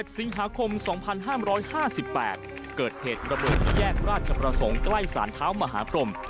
สิงหาคม๒๕๕๘เกิดเหตุระเบิดที่แยกราชประสงค์ใกล้สารเท้ามหาพรม